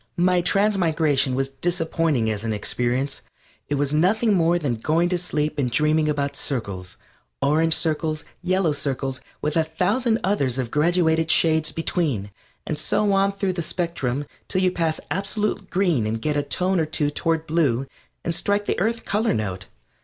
My transmigration was disappointing as an experience. It was nothing more than going to sleep and dreaming about circles orange circles, yellow circles, with a thousand others of graduated shades between, and so on through the spectrum till you pass absolute green and get a tone or two toward blue and strike the Earth color note.